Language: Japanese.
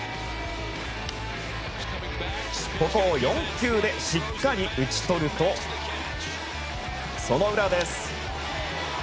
ここを４球でしっかり打ち取るとその裏。